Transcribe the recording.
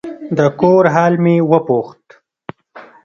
د کور حال مې وپوښت.